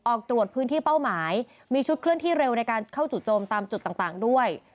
ออกตรวจพื้นที่เป้าหมายมีชุดเคลื่อนที่เร็วในการเข้าจู่โจมตามจุดต่างด้วย